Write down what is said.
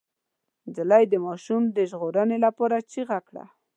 نجلۍ د ماشوم د ژغورنې لپاره چيغه کړه.